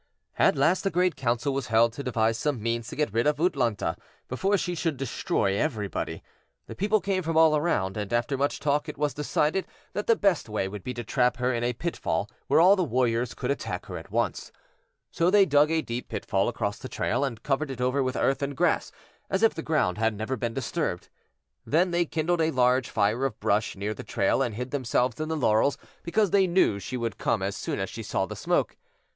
At last a great council was held to devise some means to get rid of U'tlûñ'ta before she should destroy everybody. The people came from all around, and after much talk it was decided that the best way would be to trap her in a pitfall where all the warriors could attack her at once. So they dug a deep pitfall across the trail and covered it over with earth and grass as if the ground had never been disturbed. Then they kindled a large fire of brush near the trail and hid themselves in the laurels, because they knew she would come as soon as she saw the smoke.